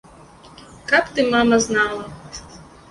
Каб ты, мама, знала!